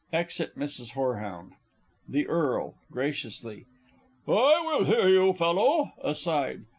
[Exit Mrs. HOREHOUND. The Earl (graciously). I will hear you, fellow! (_Aside.